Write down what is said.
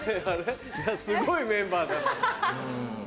すごいメンバーだ。